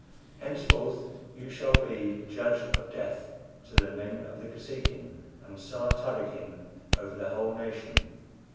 Henceforth you shall be Judge of Death to the men of the Kosekin, and Sar Tabakin over the whole nation."